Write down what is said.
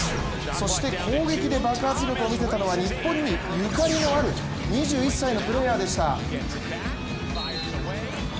そして攻撃で爆発力を見せたのは日本にゆかりのある２１歳のプレーヤーでした。